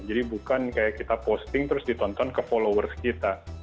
jadi bukan kayak kita posting terus ditonton ke followers kita